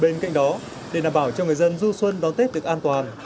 bên cạnh đó để đảm bảo cho người dân du xuân đón tết được an toàn